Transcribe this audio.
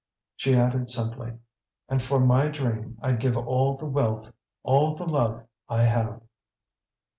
She added simply: "And for my dream I'd give all the wealth, all the love, I have."